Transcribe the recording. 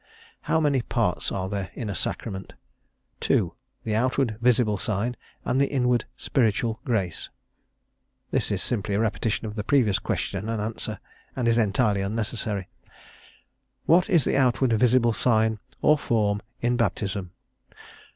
"How many parts are there in a sacrament? Two; the outward visible sign, and the inward spiritual grace." This is simply a repetition of the previous question and answer, and is entirely unnecessary. "What is the outward visible sign, or form, in baptism?